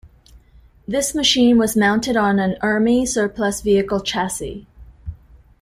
This machine was mounted on an army surplus vehicle chassis.